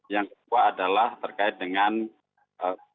yang kedua adalah terkait dengan setujuan atau